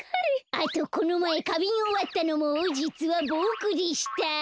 あとこのまえかびんをわったのもじつはボクでした。